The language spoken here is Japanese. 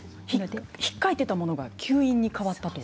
ひっかいていたものが吸引に変わったと。